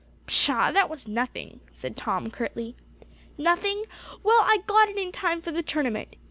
"Pshaw! that was nothing," said Tom curtly. "Nothing? Well, I got it in time for the tournament.